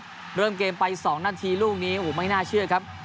สุสาคอนครับเริ่มเกมไปสองนาทีลูกนี้โอ้โหไม่น่าเชื่อครับ